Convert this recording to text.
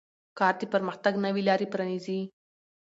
کار د پرمختګ نوې لارې پرانیزي